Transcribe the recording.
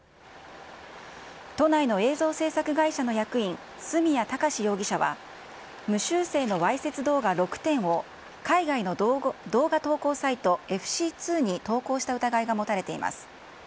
都内の映像制作会社の役員、角谷貴史容疑者は無修正のわいせつ動画６点を、海外の動画投稿サイト、ＦＣ２に投稿した疑いが持たれています。